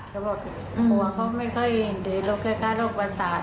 เขาบอกหัวเขาไม่เคยเห็นดีรกคล้ายรกประสาท